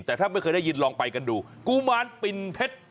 แต่ถ้าไม่เคยได้ยินลองไปกันดูกุมารปิ่นเพชร